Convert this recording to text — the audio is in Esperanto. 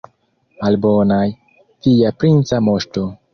Malbonaj, via princa moŝto!